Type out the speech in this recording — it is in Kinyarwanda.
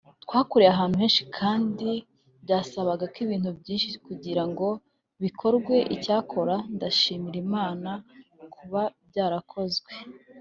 twakoreye ahantu henshi kandi byasabaga ibintu byinshi kugira ngo bikorwe icyakora ndashimira Imana kuba byarakozwe